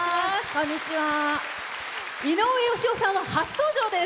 井上芳雄さんは初登場です。